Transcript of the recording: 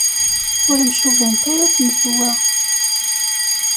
Ur mcubant ara tmetwa.